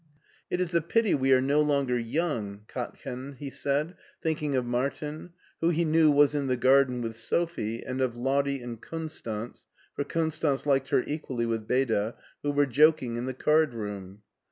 " It is a pity we are no longer young, Katchen," he said, thinking of Martin, who he knew was in the garden with Sophie, and of Lottie and Konstanz — for Konstanz liked her equally with Beda — ^who were joking in the card room.